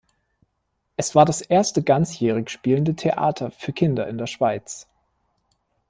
Es war das erste ganzjährig spielende Theater für Kinder in der Schweiz.